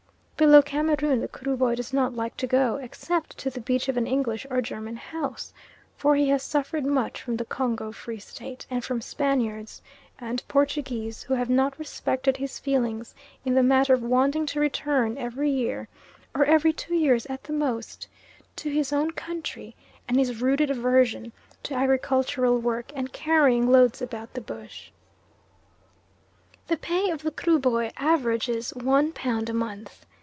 Below Cameroon the Kruboy does not like to go, except to the beach of an English or German house, for he has suffered much from the Congo Free State, and from Spaniards and Portuguese, who have not respected his feelings in the matter of wanting to return every year, or every two years at the most, to his own country, and his rooted aversion to agricultural work and carrying loads about the bush. The pay of the Kruboy averages 1 pounds a month.